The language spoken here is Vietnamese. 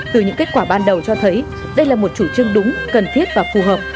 từ những kết quả ban đầu cho thấy đây là một chủ trương đúng cần thiết và phù hợp